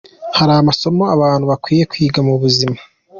Hari amasomo abantu bakwiye kwiga mu buzima.